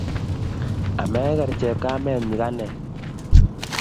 ameger chepkamet nyikanet